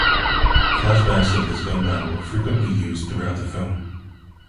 Flashbacks of this gun battle are frequently used throughout the film.